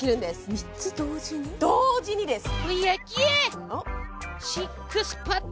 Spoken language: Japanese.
同時にです